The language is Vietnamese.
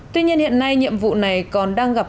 tuy nhiên hiện nay nhiệm vụ này còn đang gặp